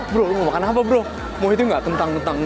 bro mau makan apa bro mau itu nggak kentang kentang